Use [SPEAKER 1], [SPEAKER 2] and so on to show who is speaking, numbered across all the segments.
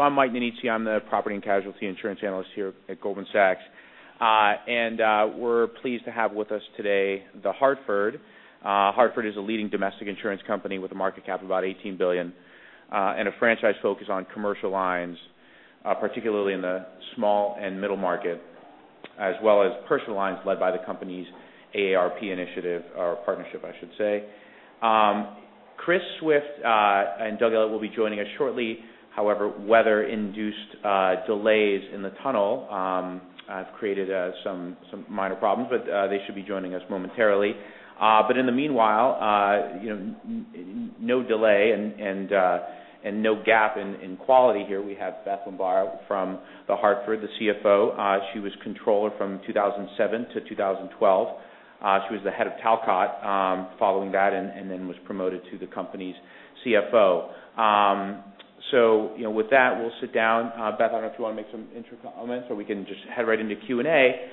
[SPEAKER 1] I'm Mike Nici. I'm the property and casualty insurance analyst here at Goldman Sachs. We're pleased to have with us today The Hartford. Hartford is a leading domestic insurance company with a market cap of about $18 billion, and a franchise focus on commercial lines, particularly in the small and middle market, as well as personal lines led by the company's AARP initiative or partnership, I should say. Chris Swift and Doug Elliot will be joining us shortly. Weather-induced delays in the tunnel have created some minor problems, but they should be joining us momentarily. In the meanwhile, no delay and no gap in quality here. We have Beth Bombara from The Hartford, the CFO. She was Controller from 2007 to 2012. She was the head of Talcott following that, and then was promoted to the company's CFO. With that, we'll sit down. Beth, I don't know if you want to make some intro comments, or we can just head right into Q&A.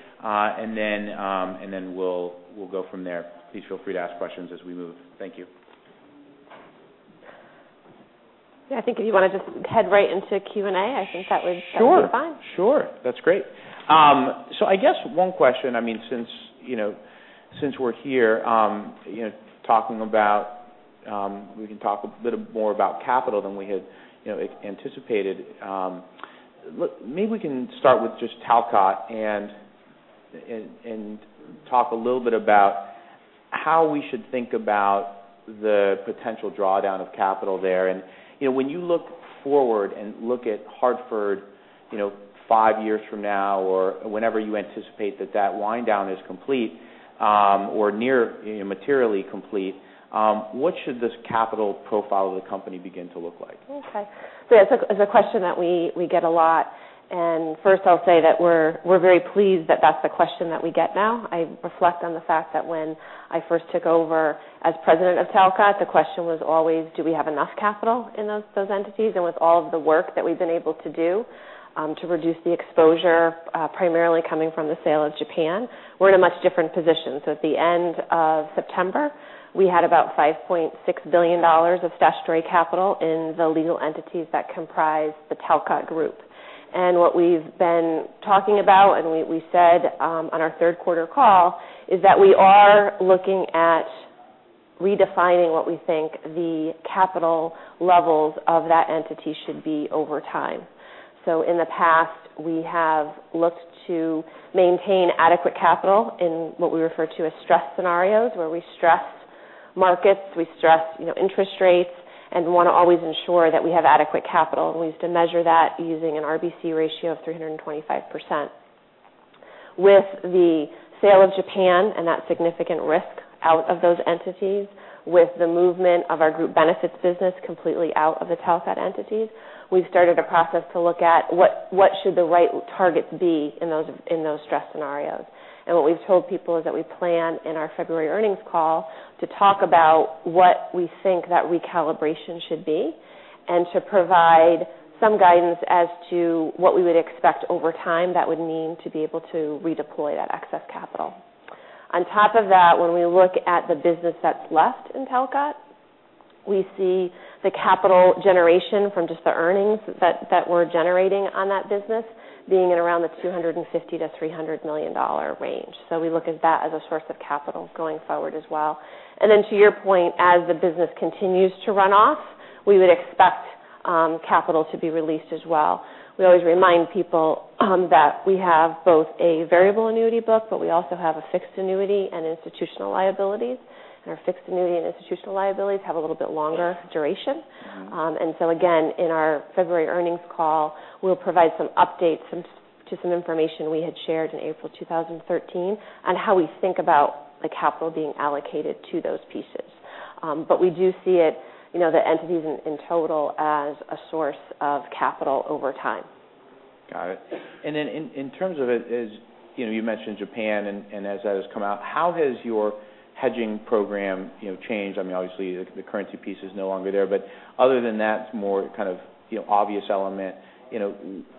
[SPEAKER 1] Then we'll go from there. Please feel free to ask questions as we move. Thank you.
[SPEAKER 2] I think if you want to just head right into Q&A, I think that would-
[SPEAKER 1] Sure
[SPEAKER 2] be fine.
[SPEAKER 1] Sure. That's great. I guess one question. We can talk a bit more about capital than we had anticipated. Maybe we can start with just Talcott and talk a little bit about how we should think about the potential drawdown of capital there. When you look forward and look at The Hartford, five years from now or whenever you anticipate that that wind-down is complete or near materially complete, what should this capital profile of the company begin to look like?
[SPEAKER 2] Okay. Yeah, it's a question that we get a lot. First I'll say that we're very pleased that that's the question that we get now. I reflect on the fact that when I first took over as president of Talcott, the question was always, do we have enough capital in those entities? With all of the work that we've been able to do to reduce the exposure, primarily coming from the sale of Japan, we're in a much different position. At the end of September, we had about $5.6 billion of statutory capital in the legal entities that comprise the Talcott Group. What we've been talking about, and we said on our third quarter call, is that we are looking at redefining what we think the capital levels of that entity should be over time. In the past, we have looked to maintain adequate capital in what we refer to as stress scenarios, where we stress markets, we stress interest rates, and want to always ensure that we have adequate capital. We used to measure that using an RBC ratio of 325%. With the sale of Japan and that significant risk out of those entities with the movement of our group benefits business completely out of the Talcott entities, we've started a process to look at what should the right targets be in those stress scenarios. What we've told people is that we plan in our February earnings call to talk about what we think that recalibration should be, and to provide some guidance as to what we would expect over time that would mean to be able to redeploy that excess capital. On top of that, when we look at the business that's left in Talcott, we see the capital generation from just the earnings that we're generating on that business being at around the $250 million-$300 million range. We look at that as a source of capital going forward as well. To your point, as the business continues to run off, we would expect capital to be released as well. We always remind people that we have both a variable annuity book, but we also have a fixed annuity and institutional liabilities. Our fixed annuity and institutional liabilities have a little bit longer duration. Again, in our February earnings call, we'll provide some updates to some information we had shared in April 2013 on how we think about the capital being allocated to those pieces. We do see it, the entities in total, as a source of capital over time.
[SPEAKER 1] Got it. In terms of it is, you mentioned Japan, and as that has come out, how has your hedging program changed? Obviously, the currency piece is no longer there, but other than that more kind of obvious element,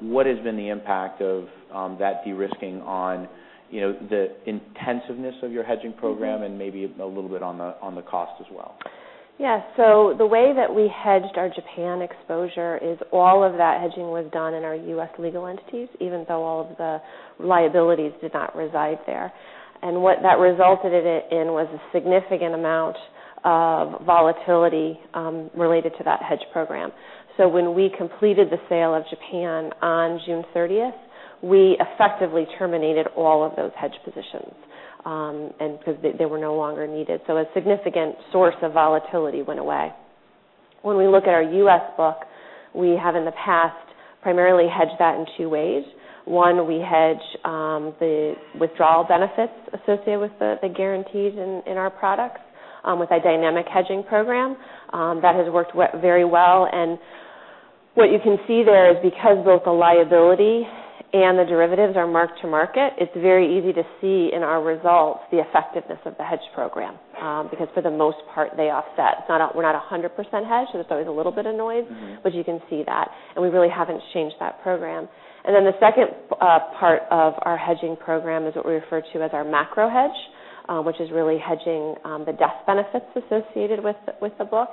[SPEAKER 1] what has been the impact of that de-risking on the intensiveness of your hedging program- Maybe a little bit on the cost as well?
[SPEAKER 2] Yeah. The way that we hedged our Japan exposure is all of that hedging was done in our U.S. legal entities, even though all of the liabilities did not reside there. What that resulted in was a significant amount of volatility related to that hedge program. When we completed the sale of Japan on June 30th, we effectively terminated all of those hedge positions, because they were no longer needed. A significant source of volatility went away. When we look at our U.S. book, we have in the past primarily hedged that in two ways. One, we hedge the withdrawal benefits associated with the guarantees in our products with a dynamic hedging program. That has worked very well and what you can see there is because both the liability and the derivatives are marked to market, it's very easy to see in our results the effectiveness of the hedge program. For the most part, they offset. We're not 100% hedged, so there's always a little bit of noise. You can see that. We really haven't changed that program. The second part of our hedging program is what we refer to as our macro hedge, which is really hedging the death benefits associated with the book.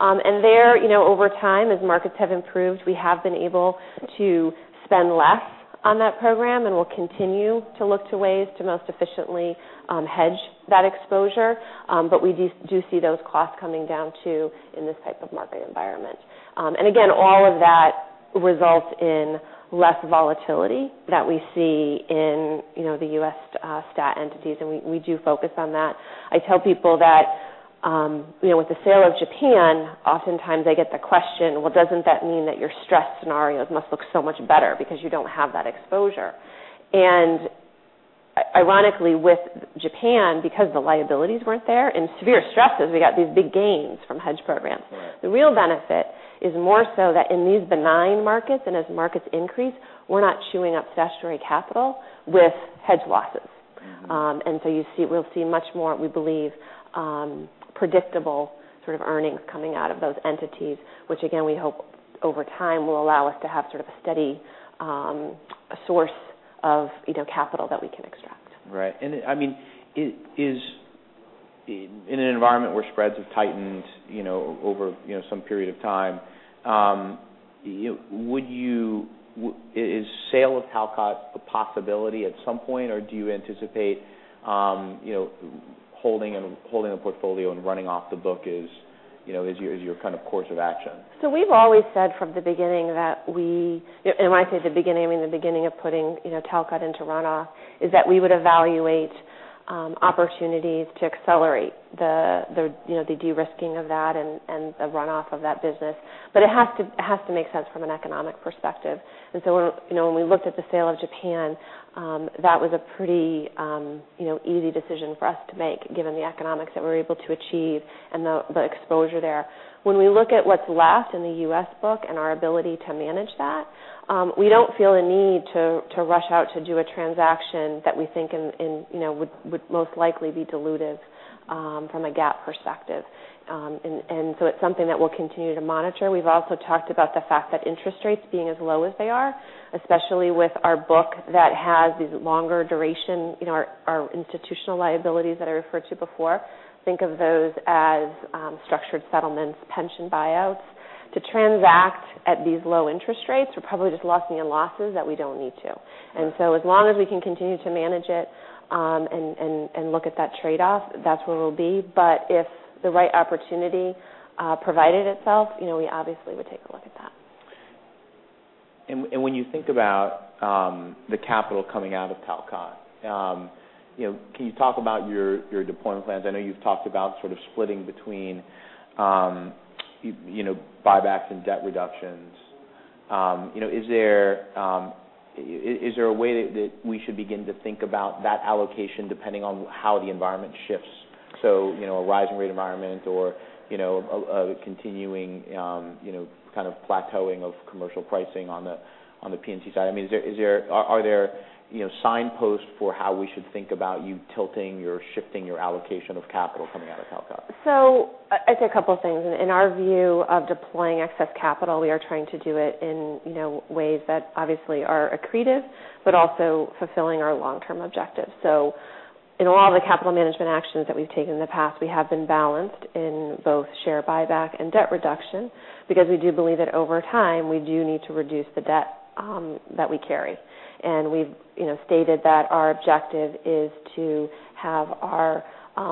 [SPEAKER 2] There, over time, as markets have improved, we have been able to spend less on that program, and we'll continue to look to ways to most efficiently hedge that exposure. We do see those costs coming down, too, in this type of market environment. Again, all of that results in less volatility that we see in the U.S. stat entities. We do focus on that. I tell people that with the sale of Japan, oftentimes I get the question, "Well, doesn't that mean that your stress scenarios must look so much better because you don't have that exposure?" Ironically, with Japan, because the liabilities weren't there, in severe stresses, we got these big gains from hedge programs.
[SPEAKER 1] Right.
[SPEAKER 2] The real benefit is more so that in these benign markets and as markets increase, we're not chewing up statutory capital with hedge losses. We'll see much more, we believe, predictable sort of earnings coming out of those entities, which again, we hope over time will allow us to have sort of a steady source of capital that we can extract.
[SPEAKER 1] Right. In an environment where spreads have tightened over some period of time, is sale of Talcott a possibility at some point, or do you anticipate holding the portfolio and running off the book as your kind of course of action?
[SPEAKER 2] We've always said from the beginning that, and when I say the beginning, I mean the beginning of putting Talcott into runoff, is that we would evaluate opportunities to accelerate the de-risking of that and the runoff of that business. It has to make sense from an economic perspective. When we looked at the sale of Japan, that was a pretty easy decision for us to make given the economics that we were able to achieve and the exposure there. When we look at what's left in the U.S. book and our ability to manage that, we don't feel a need to rush out to do a transaction that we think would most likely be dilutive from a GAAP perspective. It's something that we'll continue to monitor. We've also talked about the fact that interest rates being as low as they are, especially with our book that has these longer duration, our institutional liabilities that I referred to before. Think of those as structured settlements, pension buyouts. To transact at these low interest rates, we're probably just locking in losses that we don't need to.
[SPEAKER 1] Right.
[SPEAKER 2] As long as we can continue to manage it and look at that trade-off, that's where we'll be. If the right opportunity provided itself, we obviously would take a look at that.
[SPEAKER 1] When you think about the capital coming out of Talcott, can you talk about your deployment plans? I know you've talked about sort of splitting between buybacks and debt reductions. Is there a way that we should begin to think about that allocation depending on how the environment shifts? A rising rate environment or a continuing kind of plateauing of commercial pricing on the P&C side. Are there signposts for how we should think about you tilting or shifting your allocation of capital coming out of Talcott?
[SPEAKER 2] I'd say a couple of things. In our view of deploying excess capital, we are trying to do it in ways that obviously are accretive, but also fulfilling our long-term objectives. In a lot of the capital management actions that we've taken in the past, we have been balanced in both share buyback and debt reduction because we do believe that over time, we do need to reduce the debt that we carry. We've stated that our objective is to have our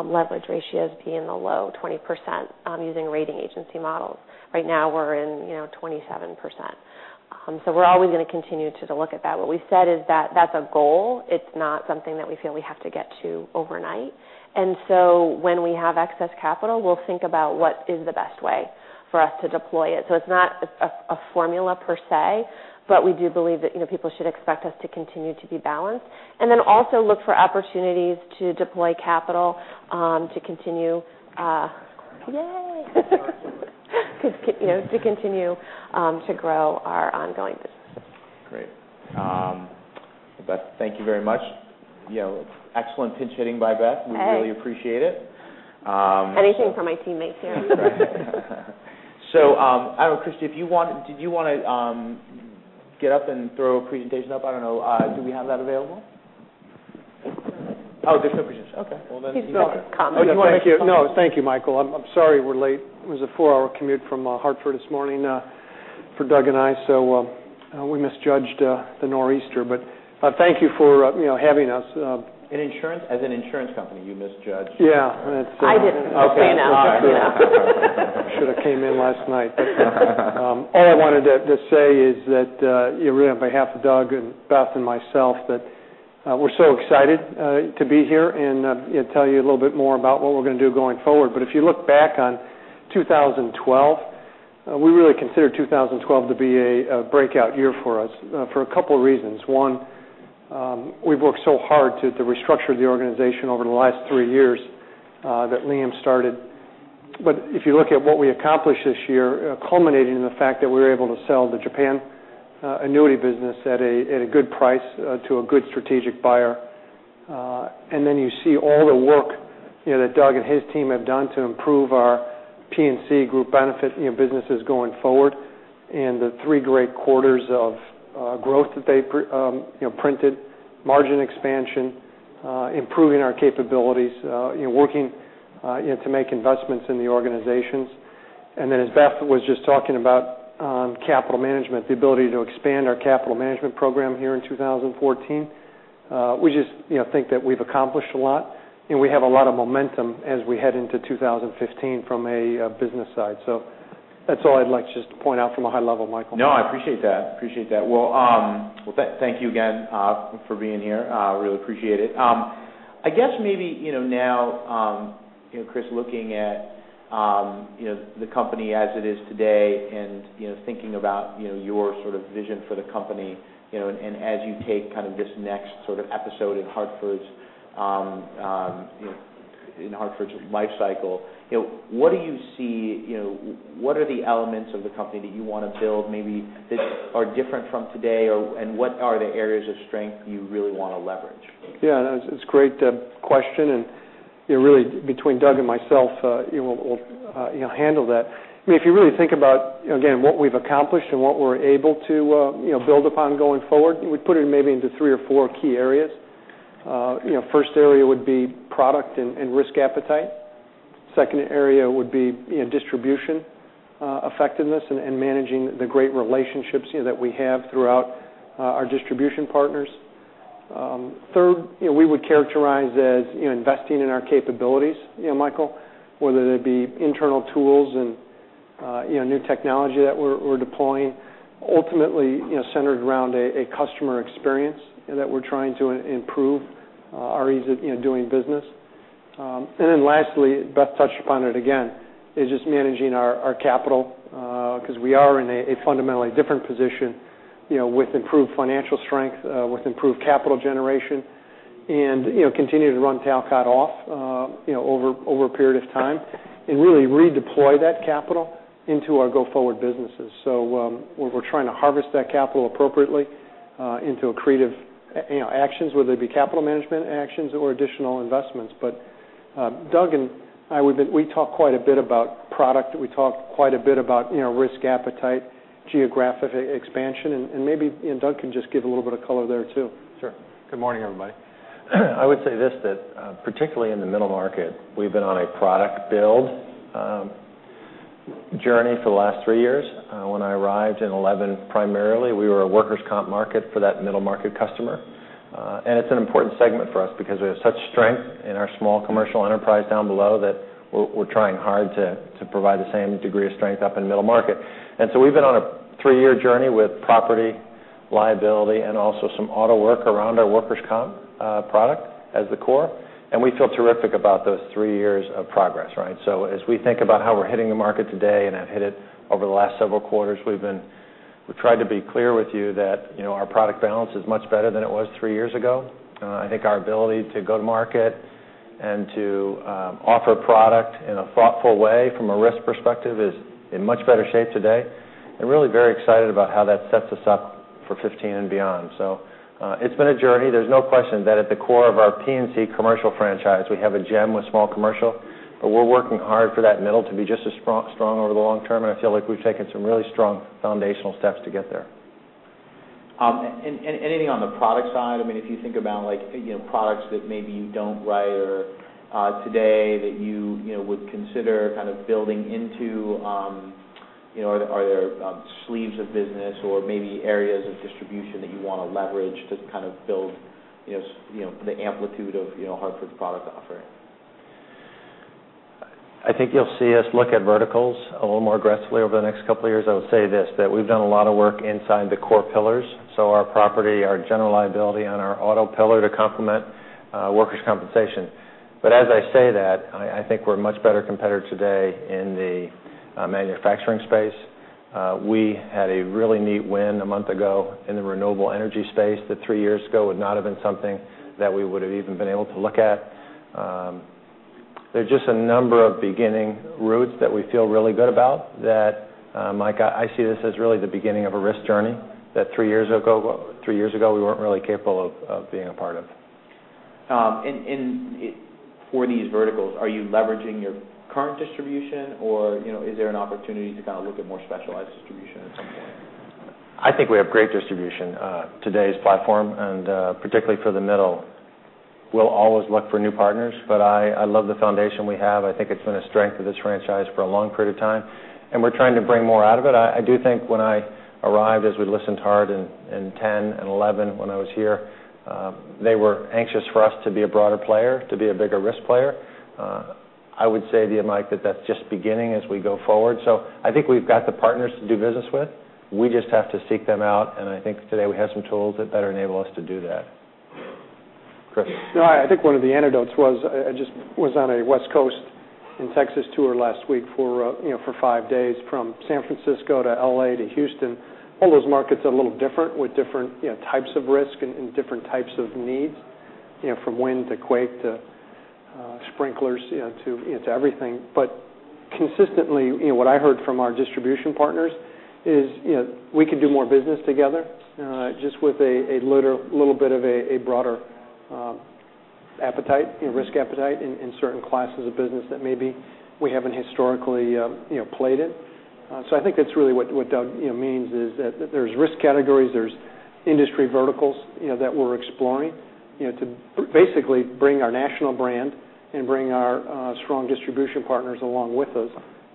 [SPEAKER 2] leverage ratios be in the low 20% using rating agency models. Right now, we're in 27%. We're always going to continue to look at that. What we said is that that's a goal. It's not something that we feel we have to get to overnight. When we have excess capital, we'll think about what is the best way for us to deploy it. It's not a formula per se, but we do believe that people should expect us to continue to be balanced and then also look for opportunities to deploy capital to continue to grow our ongoing business.
[SPEAKER 1] Great. Beth, thank you very much. Excellent pinch-hitting by Beth.
[SPEAKER 2] Hey.
[SPEAKER 1] We really appreciate it.
[SPEAKER 2] Anything for my teammates here.
[SPEAKER 1] I don't know, Chris, did you want to get up and throw a presentation up? I don't know. Do we have that available? Oh, there's no presentation. Okay.
[SPEAKER 2] He's going to comment.
[SPEAKER 1] Oh, do you want to make a comment?
[SPEAKER 3] No. Thank you, Michael. I'm sorry we're late. It was a four-hour commute from Hartford this morning for Doug and I. We misjudged the nor'easter. Thank you for having us.
[SPEAKER 1] As an insurance company, you misjudged the nor'easter?
[SPEAKER 3] Yeah.
[SPEAKER 2] I didn't. He flew in out.
[SPEAKER 3] That's true. Should've came in last night. All I wanted to say is that on behalf of Doug and Beth and myself, that we're so excited to be here and tell you a little bit more about what we're going to do going forward. If you look back on 2012, we really consider 2012 to be a breakout year for us for a couple of reasons. One, we've worked so hard to restructure the organization over the last three years that Liam started. If you look at what we accomplished this year, culminating in the fact that we were able to sell the Japan annuity business at a good price to a good strategic buyer. That Doug and his team have done to improve our P&C group benefit businesses going forward, and the three great quarters of growth that they printed, margin expansion, improving our capabilities, working to make investments in the organizations. As Beth was just talking about capital management, the ability to expand our capital management program here in 2014. We just think that we've accomplished a lot, and we have a lot of momentum as we head into 2015 from a business side. That's all I'd like just to point out from a high level, Michael.
[SPEAKER 1] I appreciate that. Thank you again for being here. I really appreciate it. I guess maybe now, Chris, looking at the company as it is today and thinking about your sort of vision for the company, and as you take kind of this next sort of episode in Hartford's lifecycle, what are the elements of the company that you want to build, maybe that are different from today, and what are the areas of strength you really want to leverage?
[SPEAKER 3] It's a great question. Really between Doug and myself, we'll handle that. You really think about again what we've accomplished and what we're able to build upon going forward, we put it maybe into three or four key areas. First area would be product and risk appetite. Second area would be distribution effectiveness and managing the great relationships that we have throughout our distribution partners. Third, we would characterize as investing in our capabilities, Michael, whether it be internal tools and new technology that we're deploying, ultimately centered around a customer experience that we're trying to improve our ease of doing business. Lastly, Beth touched upon it again, is just managing our capital, because we are in a fundamentally different position with improved financial strength, with improved capital generation, and continue to run Talcott off over a period of time and really redeploy that capital into our go-forward businesses. We're trying to harvest that capital appropriately into accretive actions, whether they be capital management actions or additional investments. Doug and I talk quite a bit about product. We talk quite a bit about risk appetite, geographic expansion, and maybe Doug can just give a little bit of color there, too.
[SPEAKER 4] Sure. Good morning, everybody. I would say this, that particularly in the middle market, we've been on a product build journey for the last three years. When I arrived in 2011, primarily we were a workers' comp market for that middle market customer. It's an important segment for us because we have such strength in our small commercial enterprise down below that we're trying hard to provide the same degree of strength up in the middle market. We've been on a three-year journey with property liability and also some auto work around our workers' comp product as the core, and we feel terrific about those three years of progress, right? As we think about how we're hitting the market today and have hit it over the last several quarters, we've tried to be clear with you that our product balance is much better than it was three years ago. I think our ability to go to market and to offer product in a thoughtful way from a risk perspective is in much better shape today, and really very excited about how that sets us up for 2015 and beyond. It's been a journey. There's no question that at the core of our P&C commercial franchise, we have a gem with small commercial, but we're working hard for that middle to be just as strong over the long term, and I feel like we've taken some really strong foundational steps to get there.
[SPEAKER 1] Anything on the product side? If you think about products that maybe you don't write today that you would consider kind of building into, are there sleeves of business or maybe areas of distribution that you want to leverage to kind of build the amplitude of The Hartford's product offering?
[SPEAKER 4] I think you'll see us look at verticals a little more aggressively over the next couple of years. I would say this, that we've done a lot of work inside the core pillars, so our property, our general liability on our auto pillar to complement workers' compensation. As I say that, I think we're a much better competitor today in the manufacturing space. We had a really neat win a month ago in the renewable energy space that three years ago would not have been something that we would have even been able to look at. There's just a number of beginning roots that we feel really good about that, Mike, I see this as really the beginning of a risk journey that three years ago we weren't really capable of being a part of.
[SPEAKER 1] For these verticals, are you leveraging your current distribution, or is there an opportunity to kind of look at more specialized distribution at some point?
[SPEAKER 4] I think we have great distribution, today's platform, and particularly for the middle. We'll always look for new partners, but I love the foundation we have. I think it's been a strength of this franchise for a long period of time, and we're trying to bring more out of it. I do think when I arrived, as we listened hard in 2010 and 2011 when I was here, they were anxious for us to be a broader player, to be a bigger risk player. I would say to you, Mike, that that's just beginning as we go forward. I think we've got the partners to do business with. We just have to seek them out, and I think today we have some tools that better enable us to do that. Chris.
[SPEAKER 3] I think one of the anecdotes was I just was on a West Coast and Texas tour last week for five days from San Francisco to L.A. to Houston. All those markets are a little different with different types of risk and different types of needs, from wind to quake to sprinklers, to everything. Consistently, what I heard from our distribution partners is we could do more business together just with a little bit of a broader risk appetite in certain classes of business that maybe we haven't historically played in. I think that's really what Doug means is that there's risk categories, there's industry verticals that we're exploring to basically bring our national brand and bring our strong distribution partners along with us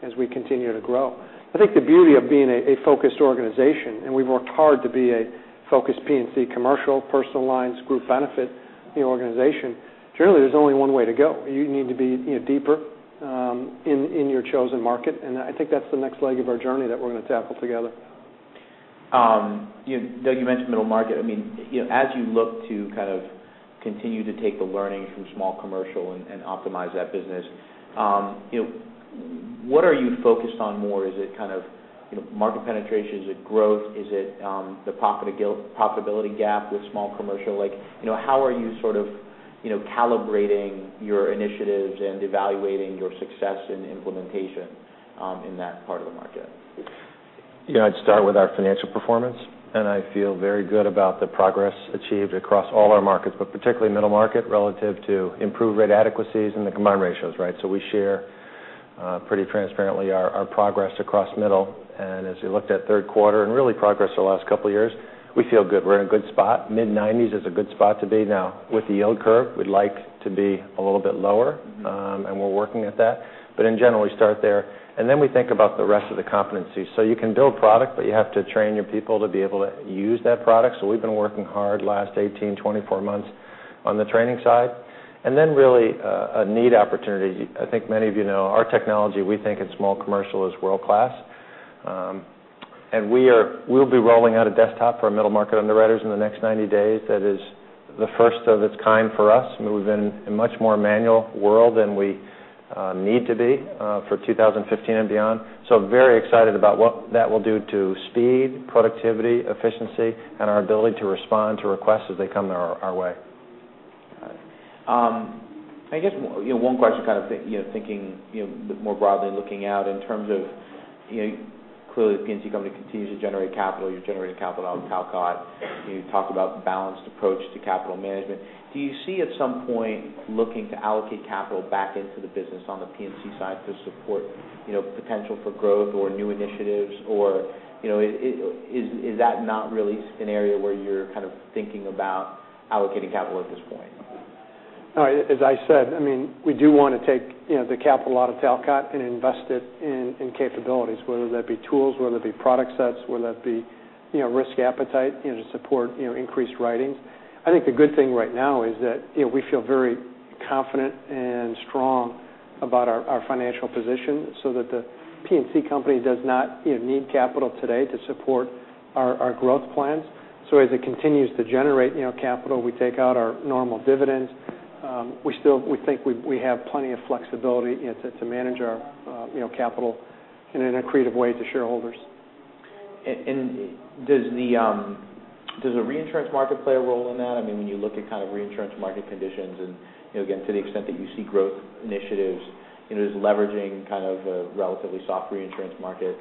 [SPEAKER 3] as we continue to grow. I think the beauty of being a focused organization. We've worked hard to be a focused P&C commercial, personal lines, group benefit organization. Generally, there's only one way to go. You need to be deeper in your chosen market. I think that's the next leg of our journey that we're going to tackle together.
[SPEAKER 1] Doug, you mentioned middle market. As you look to kind of continue to take the learnings from small commercial and optimize that business, what are you focused on more? Is it kind of market penetration? Is it growth? Is it the profitability gap with small commercial? How are you sort of calibrating your initiatives and evaluating your success and implementation in that part of the market?
[SPEAKER 4] I'd start with our financial performance. I feel very good about the progress achieved across all our markets, but particularly middle market relative to improved rate adequacies and the combined ratios, right? We share pretty transparently our progress across middle, and as you looked at third quarter, and really progress the last couple of years, we feel good. We're in a good spot. Mid-90s is a good spot to be. Now with the yield curve, we'd like to be a little bit lower. We're working at that. In general, we start there. We think about the rest of the competencies. You can build product, but you have to train your people to be able to use that product. We've been working hard the last 18, 24 months on the training side. Really a neat opportunity. I think many of you know our technology, we think in small commercial is world-class. We'll be rolling out a desktop for our middle market underwriters in the next 90 days that is the first of its kind for us. We've been a much more manual world than we need to be for 2015 and beyond. Very excited about what that will do to speed, productivity, efficiency, and our ability to respond to requests as they come our way.
[SPEAKER 1] Got it. I guess one question kind of thinking more broadly looking out in terms of clearly the P&C company continues to generate capital. You're generating capital out of Talcott. You talked about balanced approach to capital management. Do you see at some point looking to allocate capital back into the business on the P&C side to support potential for growth or new initiatives? Or is that not really an area where you're kind of thinking about allocating capital at this point?
[SPEAKER 3] As I said, we do want to take the capital out of Talcott and invest it in capabilities, whether that be tools, whether it be product sets, whether that be risk appetite to support increased writing. I think the good thing right now is that we feel very confident and strong about our financial position so that the P&C company does not need capital today to support our growth plans. As it continues to generate capital, we take out our normal dividends. We think we have plenty of flexibility to manage our capital and in a creative way to shareholders.
[SPEAKER 1] Does the reinsurance market play a role in that? When you look at kind of reinsurance market conditions and, again, to the extent that you see growth initiatives, does leveraging kind of a relatively soft reinsurance market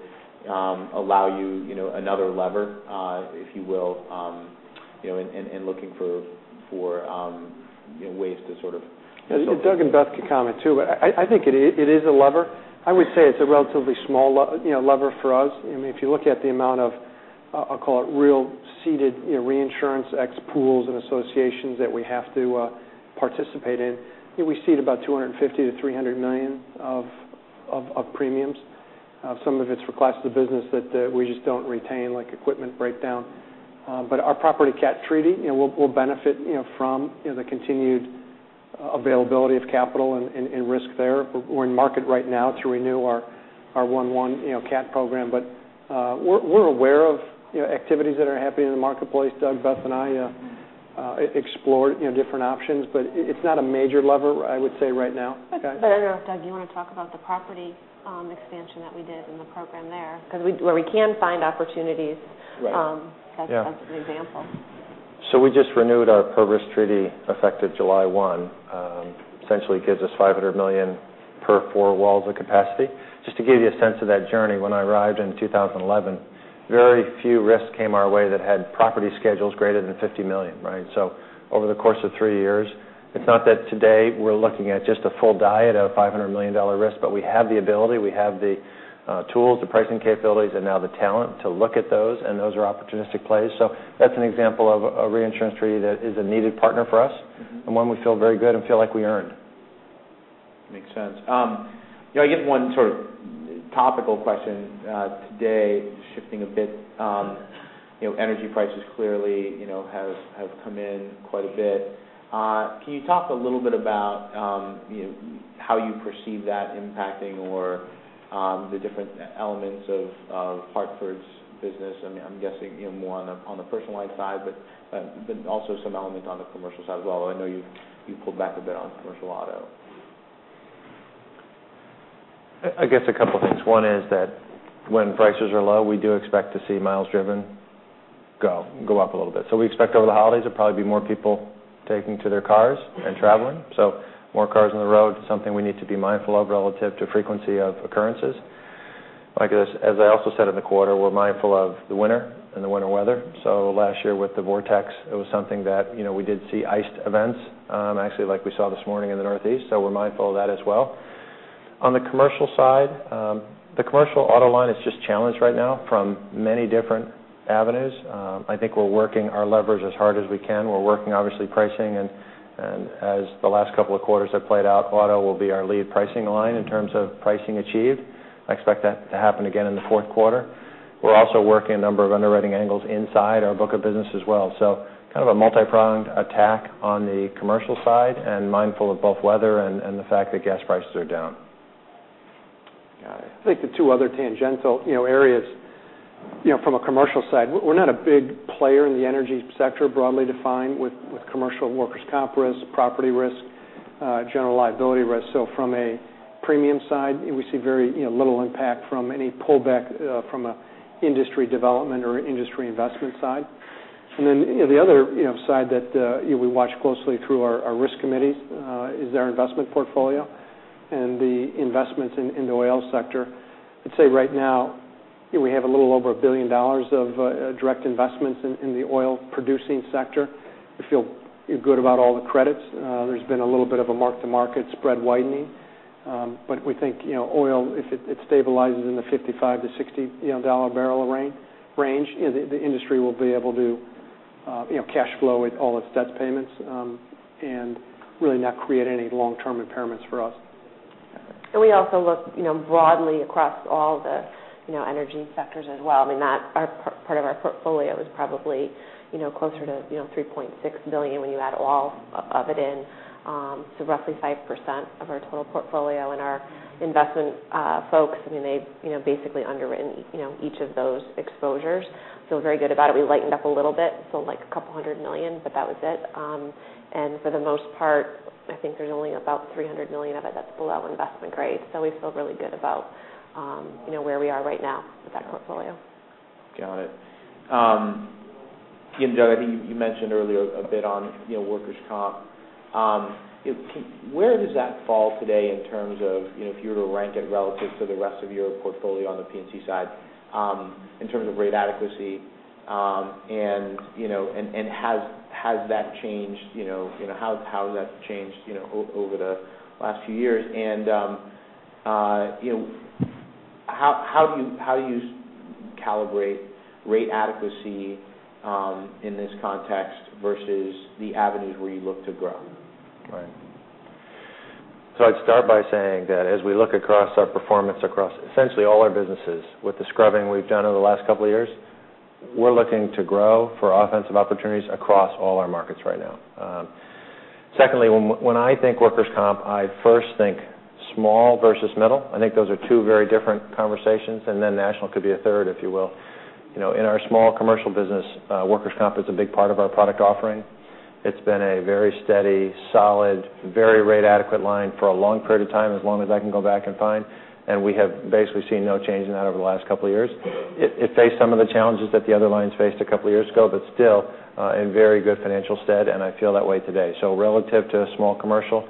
[SPEAKER 1] allow you another lever, if you will, in looking for ways to sort of.
[SPEAKER 3] Doug and Beth can comment, too, but I think it is a lever. I would say it's a relatively small lever for us. If you look at the amount of, I'll call it real ceded reinsurance ex pools and associations that we have to participate in, we cede about $250 million-$300 million of premiums. Some of it's for classes of business that we just don't retain, like equipment breakdown. Our property cat treaty will benefit from the continued availability of capital and risk there. We're in market right now to renew our one-one cat program. We're aware of activities that are happening in the marketplace. Doug, Beth, and I explore different options, it's not a major lever, I would say right now. Beth?
[SPEAKER 2] Doug, do you want to talk about the property expansion that we did and the program there? Because where we can find opportunities as an example.
[SPEAKER 4] We just renewed our property surplus treaty effective July 1. Essentially gives us $500 million per four walls of capacity. Just to give you a sense of that journey, when I arrived in 2011, very few risks came our way that had property schedules greater than $50 million, right? Over the course of three years, it's not that today we're looking at just a full diet of $500 million risk, but we have the ability, we have the tools, the pricing capabilities, and now the talent to look at those, and those are opportunistic plays. That's an example of a reinsurance treaty that is a needed partner for us and one we feel very good and feel like we earned.
[SPEAKER 1] Makes sense. I guess one sort of topical question today, shifting a bit. Energy prices clearly have come in quite a bit. Can you talk a little bit about how you perceive that impacting or the different elements of The Hartford's business? I'm guessing more on the personal lines side, but also some element on the commercial side as well, although I know you pulled back a bit on commercial auto.
[SPEAKER 4] I guess a couple of things. One is that when prices are low, we do expect to see miles driven go up a little bit. We expect over the holidays, there'll probably be more people taking to their cars and traveling. More cars on the road, something we need to be mindful of relative to frequency of occurrences. Like as I also said in the quarter, we're mindful of the winter and the winter weather. Last year with the vortex, it was something that we did see iced events, actually like we saw this morning in the Northeast. We're mindful of that as well. On the commercial side, the commercial auto line is just challenged right now from many different avenues. I think we're working our levers as hard as we can. We're working, obviously, pricing, and as the last couple of quarters have played out, auto will be our lead pricing line in terms of pricing achieved. I expect that to happen again in the fourth quarter. We're also working a number of underwriting angles inside our book of business as well. Kind of a multi-pronged attack on the commercial side and mindful of both weather and the fact that gas prices are down.
[SPEAKER 3] Got it. I think the two other tangential areas from a commercial side, we're not a big player in the energy sector, broadly defined, with commercial workers' comp risk, property risk, general liability risk. The other side that we watch closely through our risk committees is our investment portfolio and the investments in the oil sector. I'd say right now we have a little over $1 billion of direct investments in the oil-producing sector. We feel good about all the credits. There's been a little bit of a mark-to-market spread widening. We think oil, if it stabilizes in the $55-$60 barrel range, the industry will be able to cash flow all its debt payments and really not create any long-term impairments for us.
[SPEAKER 2] We also look broadly across all the energy sectors as well. I mean, that part of our portfolio is probably closer to $3.6 billion when you add all of it in. Roughly 5% of our total portfolio and our investment folks, they've basically underwritten each of those exposures. Feel very good about it. We lightened up a little bit, sold like $200 million, but that was it. For the most part, I think there's only about $300 million of it that's below investment grade. We feel really good about where we are right now with that portfolio.
[SPEAKER 1] Got it. Doug, I think you mentioned earlier a bit on workers' comp. Where does that fall today in terms of if you were to rank it relative to the rest of your portfolio on the P&C side in terms of rate adequacy, and how has that changed over the last few years? How do you calibrate rate adequacy in this context versus the avenues where you look to grow?
[SPEAKER 4] Right. I'd start by saying that as we look across our performance across essentially all our businesses with the scrubbing we've done over the last couple of years, we're looking to grow for offensive opportunities across all our markets right now. Secondly, when I think workers' comp, I first think small versus middle. I think those are two very different conversations, national could be a third, if you will. In our small commercial business, workers' comp is a big part of our product offering. It's been a very steady, solid, very rate adequate line for a long period of time, as long as I can go back and find, we have basically seen no change in that over the last couple of years. It faced some of the challenges that the other lines faced a couple of years ago, but still in very good financial stead. I feel that way today. Relative to small commercial,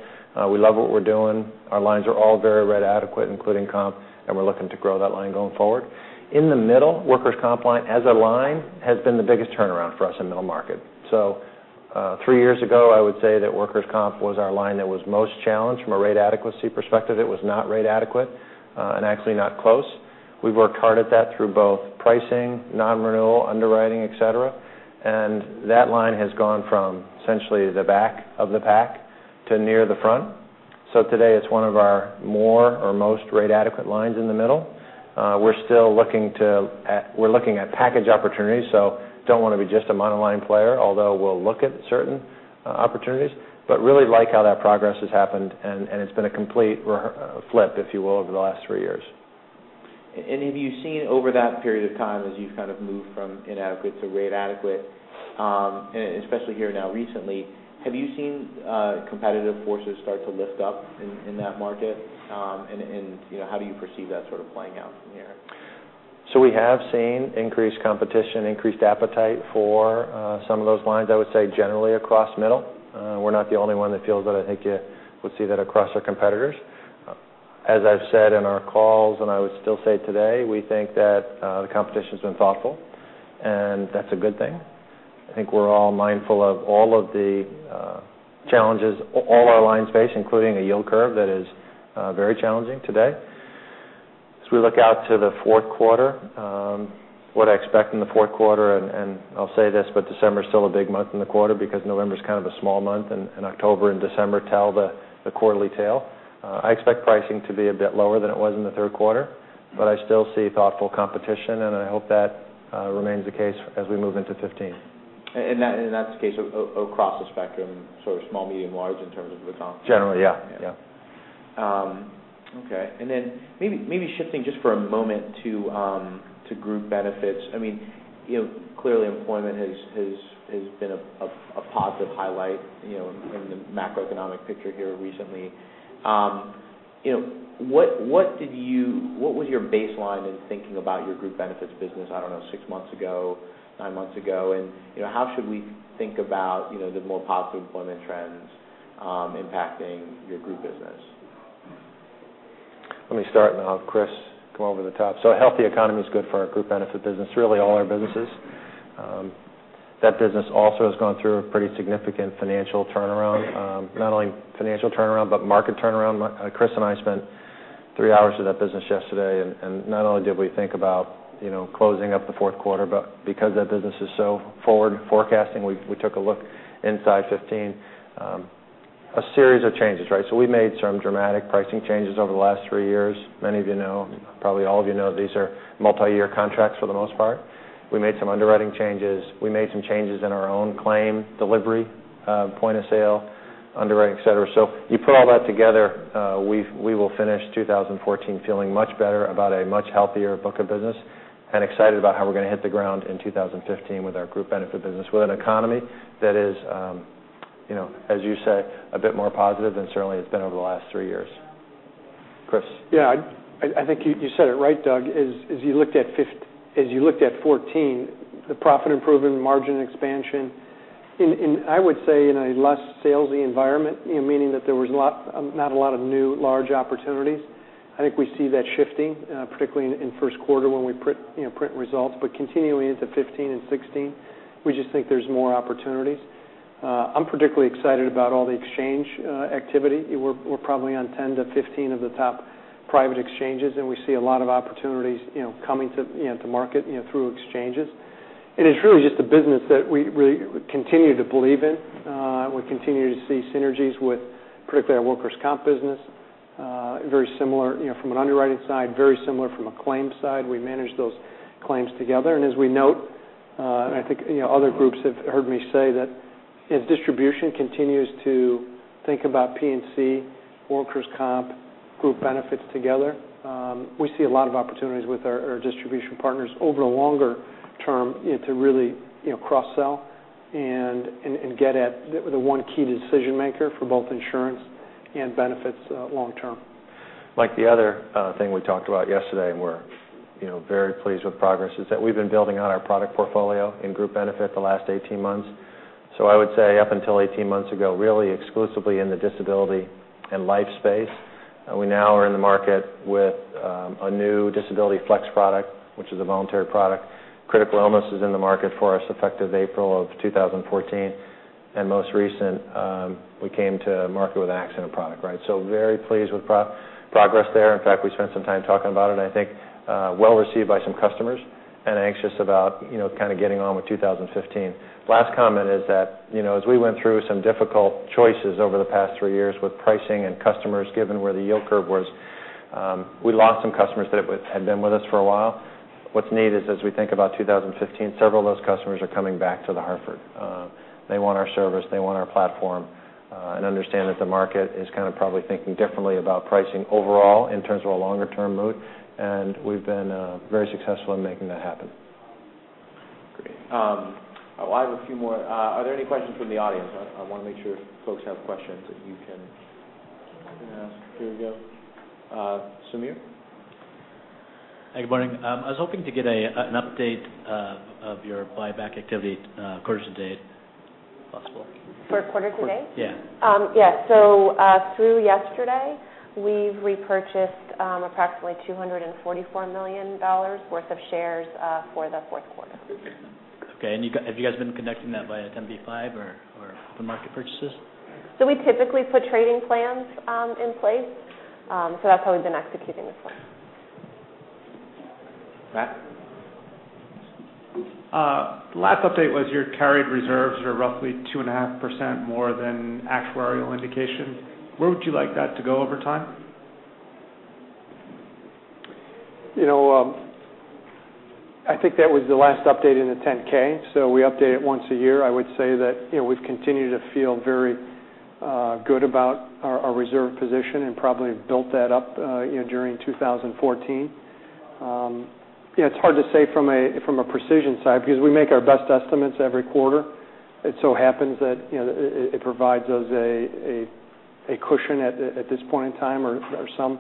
[SPEAKER 4] we love what we're doing. Our lines are all very rate adequate, including comp, we're looking to grow that line going forward. In the middle, workers' comp line as a line has been the biggest turnaround for us in middle market. Three years ago, I would say that workers' comp was our line that was most challenged from a rate adequacy perspective. It was not rate adequate, actually not close. We've worked hard at that through both pricing, non-renewal, underwriting, et cetera, that line has gone from essentially the back of the pack to near the front. Today it's one of our more or most rate adequate lines in the middle. We're looking at package opportunities, don't want to be just a monoline player, although we'll look at certain opportunities, really like how that progress has happened, it's been a complete flip, if you will, over the last three years.
[SPEAKER 1] Have you seen over that period of time as you've kind of moved from inadequate to rate adequate, especially here now recently, have you seen competitive forces start to lift up in that market? How do you perceive that sort of playing out from here?
[SPEAKER 4] We have seen increased competition, increased appetite for some of those lines, I would say generally across middle. We're not the only one that feels it. I think you would see that across our competitors. As I've said in our calls, and I would still say today, we think that the competition's been thoughtful, and that's a good thing. I think we're all mindful of all of the challenges all our lines face, including a yield curve that is very challenging today. As we look out to the fourth quarter, what I expect in the fourth quarter, and I'll say this, but December is still a big month in the quarter because November's kind of a small month, and October and December tell the quarterly tale. I expect pricing to be a bit lower than it was in the third quarter, but I still see thoughtful competition, and I hope that remains the case as we move into 2015.
[SPEAKER 1] That's the case across the spectrum, so small, medium, large in terms of the comp?
[SPEAKER 4] Generally, yeah.
[SPEAKER 1] Okay. Maybe shifting just for a moment to group benefits. I mean, clearly employment has been a positive highlight in the macroeconomic picture here recently. What was your baseline in thinking about your group benefits business, I don't know, six months ago, nine months ago? How should we think about the more positive employment trends impacting your group business?
[SPEAKER 4] Let me start, and I'll have Chris come over the top. A healthy economy is good for our group benefit business, really all our businesses. That business also has gone through a pretty significant financial turnaround. Not only financial turnaround, but market turnaround. Chris and I spent three hours with that business yesterday, Not only did we think about closing up the fourth quarter, but because that business is so forward forecasting, we took a look inside 2015. A series of changes. We made some dramatic pricing changes over the last three years. Many of you know, probably all of you know, these are multi-year contracts for the most part. We made some underwriting changes. We made some changes in our own claim delivery, point of sale, underwriting, et cetera. You put all that together, we will finish 2014 feeling much better about a much healthier book of business and excited about how we're going to hit the ground in 2015 with our group benefit business, with an economy that is, as you say, a bit more positive than certainly it's been over the last three years. Chris?
[SPEAKER 3] Yeah, I think you said it right, Doug. As you looked at 2014, the profit improvement, margin expansion, I would say in a less salesy environment, meaning that there was not a lot of new large opportunities. I think we see that shifting, particularly in the first quarter when we print results. Continuing into 2015 and 2016, we just think there is more opportunities. I am particularly excited about all the exchange activity. We are probably on 10 to 15 of the top private exchanges, and we see a lot of opportunities coming to market through exchanges. It is really just a business that we continue to believe in. We continue to see synergies with, particularly our workers' comp business. From an underwriting side, very similar from a claims side. We manage those claims together. As we note, and I think other groups have heard me say that if distribution continues to think about P&C, workers' comp, group benefits together, we see a lot of opportunities with our distribution partners over a longer term to really cross-sell and get at the one key decision maker for both insurance and benefits long term.
[SPEAKER 4] Like the other thing we talked about yesterday, and we are very pleased with progress, is that we have been building on our product portfolio in group benefit the last 18 months. I would say up until 18 months ago, really exclusively in the disability and life space. We now are in the market with a new DisabilityFLEX product, which is a voluntary product. Critical illness is in the market for us effective April of 2014. Most recent, we came to market with an accident product. Very pleased with progress there. In fact, we spent some time talking about it. I think well received by some customers and anxious about getting on with 2015. Last comment is that as we went through some difficult choices over the past three years with pricing and customers, given where the yield curve was, we lost some customers that had been with us for a while. What is neat is as we think about 2015, several of those customers are coming back to The Hartford. They want our service, they want our platform, and understand that the market is kind of probably thinking differently about pricing overall in terms of a longer-term moat, and we have been very successful in making that happen.
[SPEAKER 1] Great. Well, I have a few more. Are there any questions from the audience? I want to make sure if folks have questions, that you can ask. Here we go. Samir?
[SPEAKER 5] Good morning. I was hoping to get an update of your buyback activity quarter to date, if possible.
[SPEAKER 2] For quarter to date?
[SPEAKER 5] Yeah.
[SPEAKER 2] Yes. Through yesterday, we've repurchased approximately $244 million worth of shares for the fourth quarter.
[SPEAKER 5] Okay. Have you guys been conducting that by a 10b5-1 or open market purchases?
[SPEAKER 2] We typically put trading plans in place. That's how we've been executing this one.
[SPEAKER 1] Matt?
[SPEAKER 5] Last update was your carried reserves are roughly two and a half % more than actuarial indication. Where would you like that to go over time?
[SPEAKER 3] I think that was the last update in the 10-K, so we update it once a year. I would say that we've continued to feel very good about our reserve position and probably have built that up during 2014. It's hard to say from a precision side because we make our best estimates every quarter. It so happens that it provides us a cushion at this point in time or some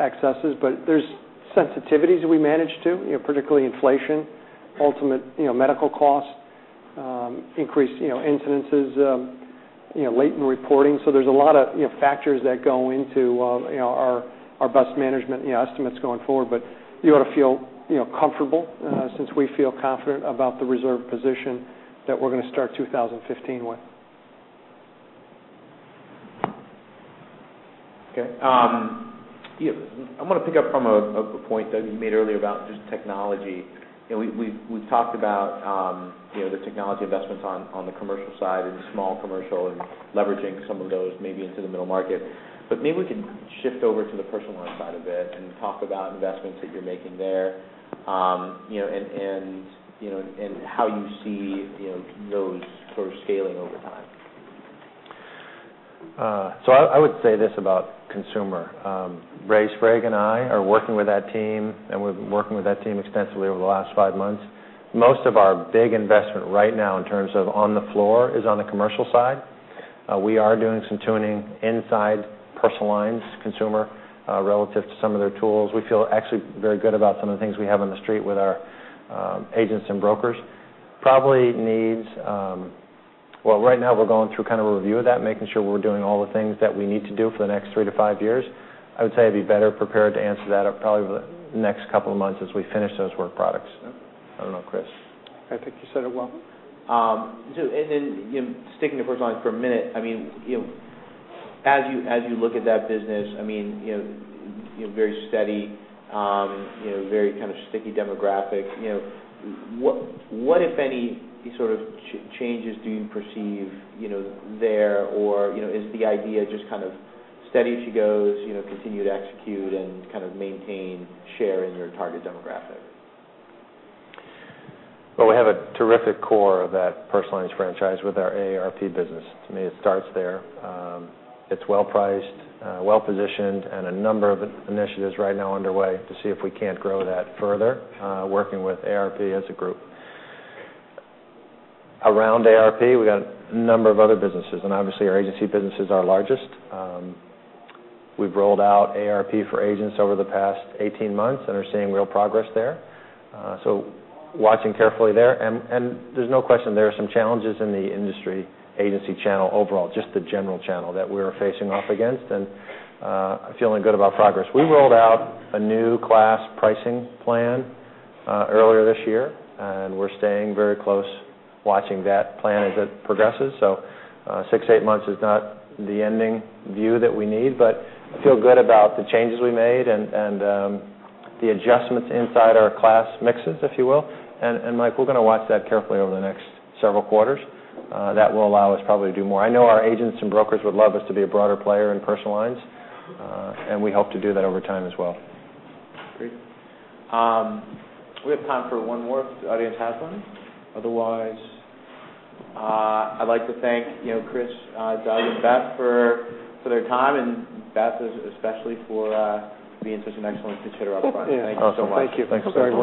[SPEAKER 3] excesses. There's sensitivities we manage too, particularly inflation, ultimate medical costs, increased incidences, latent reporting. There's a lot of factors that go into our best management estimates going forward. You ought to feel comfortable since we feel confident about the reserve position that we're going to start 2015 with.
[SPEAKER 1] Okay. I want to pick up from a point that you made earlier about just technology. We've talked about the technology investments on the commercial side and small commercial and leveraging some of those maybe into the middle market. Maybe we can shift over to the personal line side a bit and talk about investments that you're making there and how you see those sort of scaling over time.
[SPEAKER 4] I would say this about consumer. Ray Sprague and I are working with that team, and we've been working with that team extensively over the last five months. Most of our big investment right now in terms of on the floor is on the commercial side. We are doing some tuning inside personal lines consumer relative to some of their tools. We feel actually very good about some of the things we have on the street with our agents and brokers. Probably needs Well, right now, we're going through kind of a review of that, making sure we're doing all the things that we need to do for the next three to five years. I would say I'd be better prepared to answer that probably over the next couple of months as we finish those work products. I don't know, Chris.
[SPEAKER 3] I think you said it well.
[SPEAKER 1] Sticking to personal lines for a minute. As you look at that business, very steady, very kind of sticky demographic. What if any sort of changes do you perceive there? Or is the idea just kind of steady as she goes, continue to execute, and kind of maintain share in your target demographic?
[SPEAKER 4] Well, we have a terrific core of that personal lines franchise with our AARP business. To me, it starts there. It's well-priced, well-positioned, a number of initiatives right now underway to see if we can't grow that further, working with AARP as a group. Around AARP, we got a number of other businesses, obviously, our agency business is our largest. We've rolled out AARP for agents over the past 18 months and are seeing real progress there. Watching carefully there. There's no question there are some challenges in the industry agency channel overall, just the general channel that we're facing off against. Feeling good about progress. We rolled out a new class pricing plan earlier this year. We're staying very close watching that plan as it progresses. Six to eight months is not the ending view that we need. I feel good about the changes we made and the adjustments inside our class mixes, if you will. Mike, we're going to watch that carefully over the next several quarters. That will allow us probably to do more. I know our agents and brokers would love us to be a broader player in personal lines. We hope to do that over time as well.
[SPEAKER 1] Great. We have time for one more if the audience has one. Otherwise, I'd like to thank Chris, Doug, and Beth for their time, and Beth especially for being such an excellent facilitator up front.
[SPEAKER 4] Yeah.
[SPEAKER 1] Thank you so much.
[SPEAKER 3] Awesome. Thank you. Thanks everybody.